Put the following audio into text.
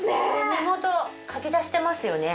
根元かき出してますよね。